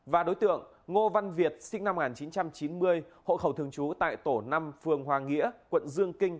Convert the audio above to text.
và đối tượng ngô văn việt sinh năm một nghìn chín trăm chín mươi hộ khẩu thường trú tại tổ năm phường hòa nghĩa quận dương kinh